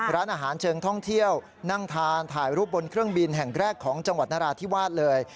ร้านอาหารเชิงท่องเที่ยวนั่งทานถ่ายรูปบนเครื่องบินแห่งแรกของจังหวัดนราธิวาสเลย